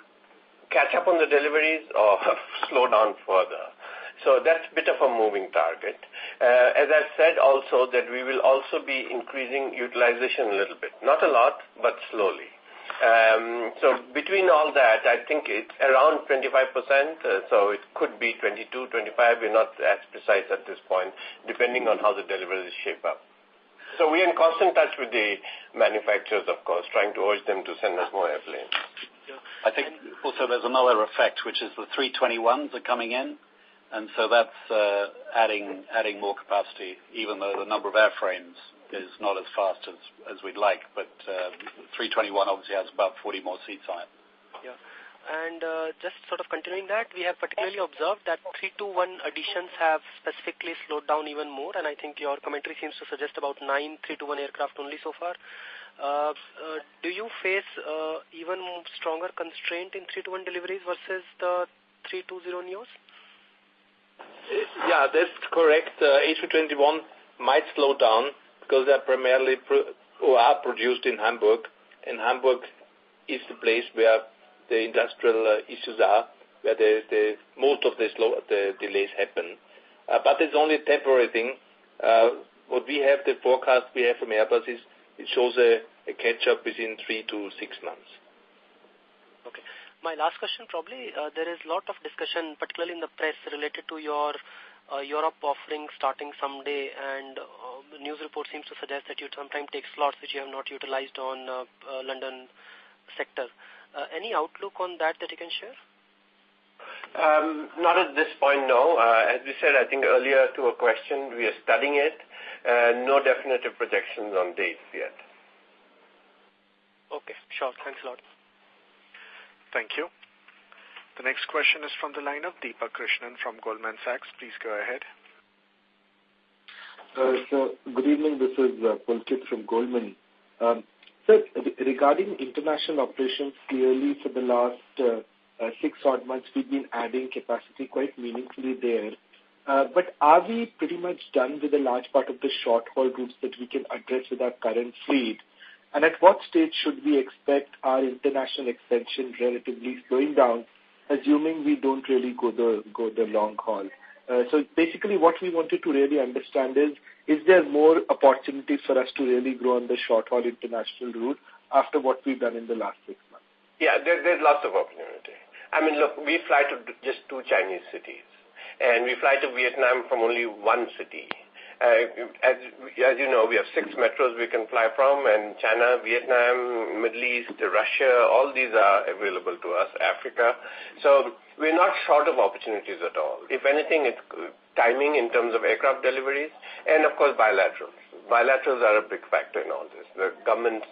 catch up on the deliveries or slow down further. That's a bit of a moving target. As I said also, that we will also be increasing utilization a little bit. Not a lot, but slowly. Between all that, I think it's around 25%. It could be 22%, 25%. We're not as precise at this point, depending on how the deliveries shape up. We're in constant touch with the manufacturers, of course, trying to urge them to send us more airplanes. I think also there's another effect, which is the A321s are coming in. That's adding more capacity, even though the number of airframes is not as fast as we'd like. A321 obviously has about 40 more seats on it. Yeah. Just sort of continuing that, we have particularly observed that 321 additions have specifically slowed down even more, I think your commentary seems to suggest about nine 321 aircraft only so far. Do you face even more stronger constraint in 321 deliveries versus the A320neos? Yeah, that's correct. A321 might slow down because they primarily are produced in Hamburg is the place where the industrial issues are, where most of the delays happen. It's only a temporary thing. The forecast we have from Airbus shows a catch-up within three to six months. Okay. My last question probably, there is lot of discussion, particularly in the press, related to your Europe offering starting someday. News reports seem to suggest that you sometimes take slots which you have not utilized on London sector. Any outlook on that that you can share? Not at this point, no. As we said, I think earlier to a question, we are studying it. No definitive projections on dates yet. Okay, sure. Thanks a lot. Thank you. The next question is from the line of Deepak Krishnan from Goldman Sachs. Please go ahead. Good evening. This is Pulkit from Goldman Sachs. Sir, regarding international operations, clearly for the last six odd months, we've been adding capacity quite meaningfully there. Are we pretty much done with a large part of the short-haul routes that we can address with our current fleet? At what stage should we expect our international expansion relatively slowing down, assuming we don't really go the long haul? Basically, what we wanted to really understand is there more opportunities for us to really grow on the short-haul international route after what we've done in the last six months? Yeah, there's lots of opportunity. Look, we fly to just two Chinese cities, and we fly to Vietnam from only one city. As you know, we have six metros we can fly from. China, Vietnam, Middle East, Russia, all these are available to us, Africa. We're not short of opportunities at all. If anything, it's timing in terms of aircraft deliveries and, of course, bilaterals. Bilaterals are a big factor in all this. The governments.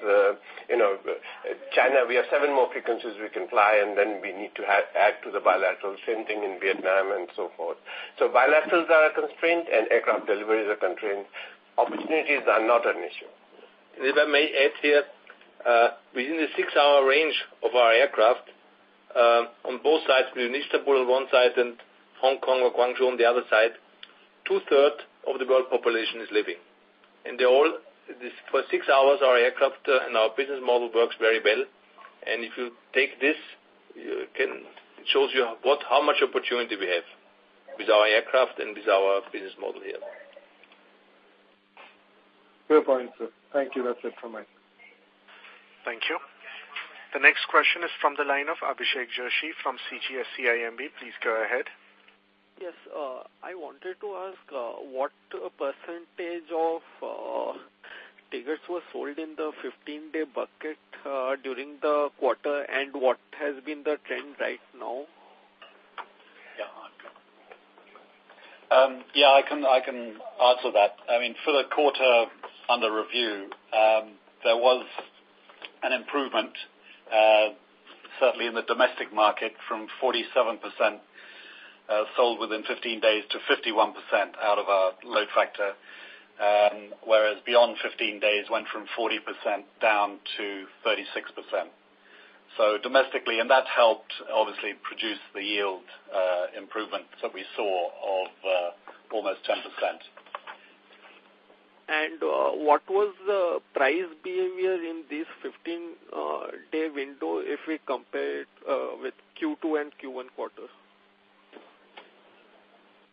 China, we have seven more frequencies we can fly, then we need to add to the bilateral. Same thing in Vietnam, so forth. Bilaterals are a constraint and aircraft deliveries are constrained. Opportunities are not an issue. If I may add here. Within the 6-hour range of our aircraft, on both sides, with Istanbul on one side and Hong Kong or Guangzhou on the other side, two-third of the world population is living. For 6 hours, our aircraft and our business model works very well. If you take this, it shows you how much opportunity we have with our aircraft and with our business model here. Fair point, sir. Thank you. That's it from me. Thank you. The next question is from the line of Abhishek Joshi from CGS-CIMB. Please go ahead. Yes. I wanted to ask what % of tickets were sold in the 15-day bucket during the quarter, and what has been the trend right now? Yeah. I can answer that. For the quarter under review, there was an improvement, certainly in the domestic market, from 47% sold within 15 days to 51% out of our load factor. Whereas beyond 15 days went from 40% down to 36%. Domestically, and that helped obviously produce the yield improvement that we saw of almost 10%. What was the price behavior in this 15-day window if we compare it with Q2 and Q1 quarters?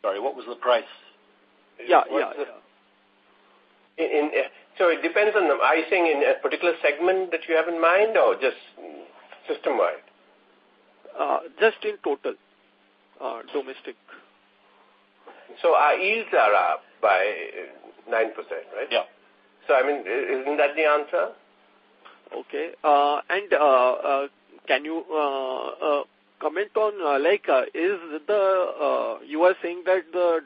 Sorry, what was the price? Yeah. It depends on the pricing in a particular segment that you have in mind or just system-wide? Just in total. Domestic. Our yields are up by 9%, right? Yeah. Isn't that the answer? Okay. Can you comment on, you are saying that the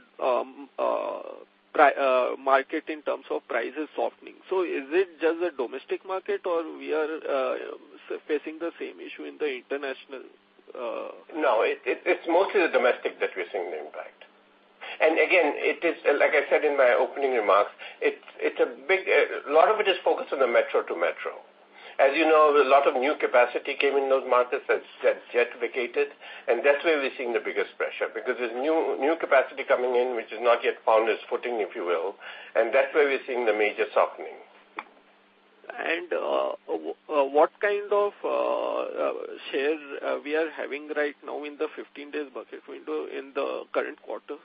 market in terms of price is softening. Is it just the domestic market, or we are facing the same issue in the international? No. It's mostly the domestic that we're seeing the impact. Again, like I said in my opening remarks, a lot of it is focused on the metro to metro. As you know, a lot of new capacity came in those markets that's yet vacated. That's where we're seeing the biggest pressure because there's new capacity coming in, which has not yet found its footing, if you will. That's where we're seeing the major softening. What kind of shares we are having right now in the 15 days bucket window in the current quarter?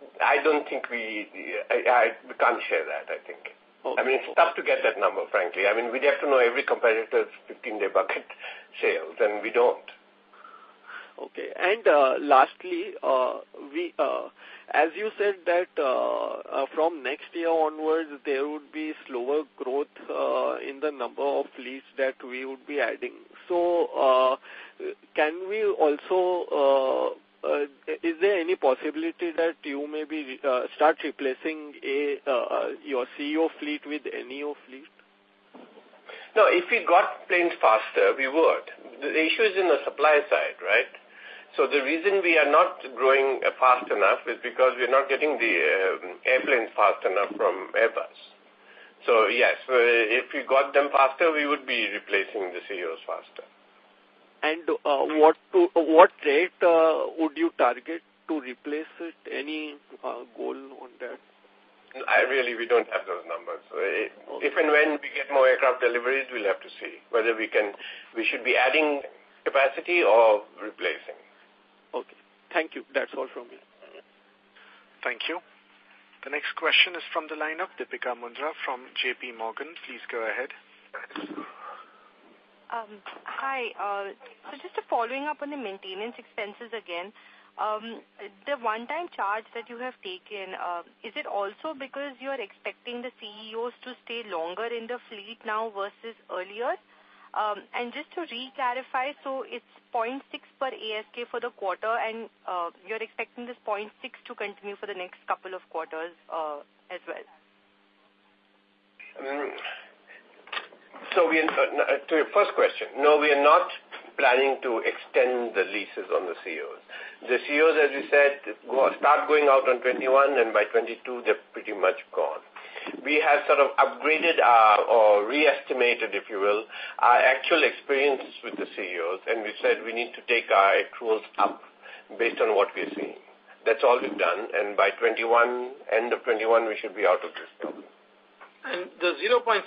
We can't share that, I think. Okay. It's tough to get that number, frankly. We'd have to know every competitor's 15-day bucket sales, and we don't. Okay. Lastly, as you said that from next year onwards, there would be slower growth in the number of fleets that we would be adding. Is there any possibility that you maybe start replacing your ceo fleet with neo fleet? No. If we got planes faster, we would. The issue is in the supply side, right? The reason we are not growing fast enough is because we are not getting the airplane fast enough from Airbus. Yes, if we got them faster, we would be replacing the ceos faster. What rate would you target to replace it? Any goal on that? Really, we don't have those numbers. Okay. If and when we get more aircraft deliveries, we'll have to see whether we should be adding capacity or replacing. Okay. Thank you. That's all from me. Thank you. The next question is from the line of Deepika Mundra from JPMorgan. Please go ahead. Hi. Just following up on the maintenance expenses again. The one-time charge that you have taken, is it also because you are expecting the ceos to stay longer in the fleet now versus earlier? Just to re-clarify, it's 0.6 per ASK for the quarter, and you're expecting this 0.6 to continue for the next couple of quarters as well? To your first question, no, we are not planning to extend the leases on the ceos. The ceos, as we said, start going out on 2021 and by 2022, they're pretty much gone. We have sort of upgraded or re-estimated, if you will, our actual experiences with the ceos, and we said we need to take our accruals up based on what we are seeing. That's all we've done, and by end of 2021, we should be out of this problem. The 0.6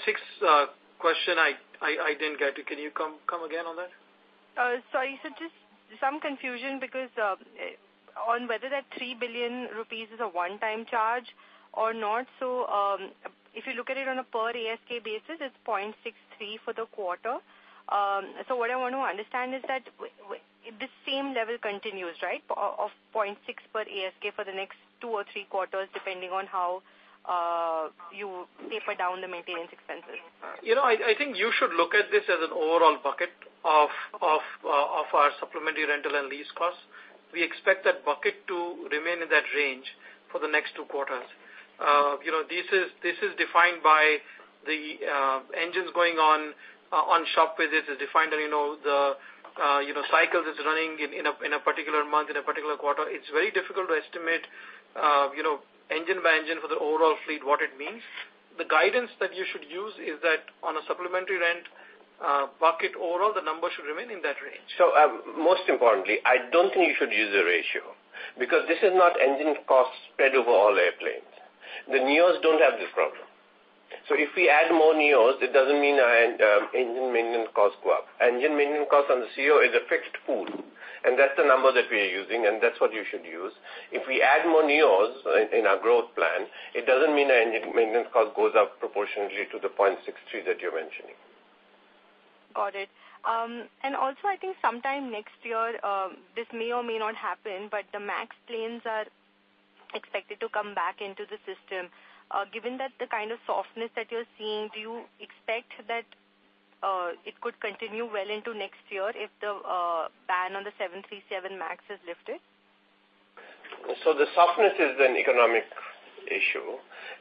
question, I didn't get it. Can you come again on that? Sorry. Just some confusion on whether that 3 billion rupees is a one-time charge or not. If you look at it on a per ASK basis, it is 0.63 for the quarter. What I want to understand is that this same level continues, right? Of 0.6 per ASK for the next two or three quarters, depending on how you taper down the maintenance expenses. I think you should look at this as an overall bucket of our supplementary rental and lease costs. We expect that bucket to remain in that range for the next two quarters. This is defined by the engines going on shop visits. It's defined on the cycles it's running in a particular month, in a particular quarter. It's very difficult to estimate engine by engine for the overall fleet, what it means. The guidance that you should use is that on a supplementary rent bucket overall, the number should remain in that range. Most importantly, I don't think you should use the ratio because this is not engine cost spread over all airplanes. The neos don't have this problem. If we add more neos, it doesn't mean our engine maintenance costs go up. Engine maintenance cost on the ceo is a fixed pool, and that's the number that we are using, and that's what you should use. If we add more neos in our growth plan, it doesn't mean our engine maintenance cost goes up proportionately to the 0.63 that you're mentioning. Got it. Also, I think sometime next year, this may or may not happen, but the MAX planes are expected to come back into the system. Given that the kind of softness that you're seeing, do you expect that it could continue well into next year if the ban on the 737 MAX is lifted? The softness is an economic issue,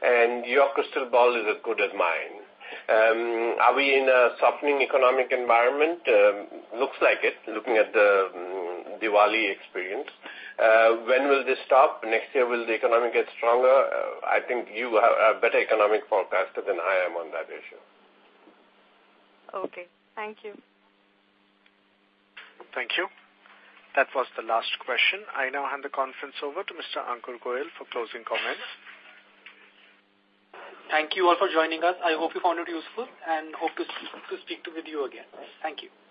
and your crystal ball is as good as mine. Are we in a softening economic environment? Looks like it, looking at the Diwali experience. When will this stop? Next year, will the economy get stronger? I think you are a better economic forecaster than I am on that issue. Okay. Thank you. Thank you. That was the last question. I now hand the conference over to Mr. Ankur Goel for closing comments. Thank you all for joining us. I hope you found it useful, and hope to speak with you again. Thank you.